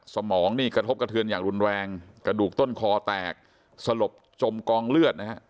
สมองนี่กระทบกระเทือนอย่างรุนแรงกระดูกต้นคอแตกสลบจมกองเลือดนะฮะ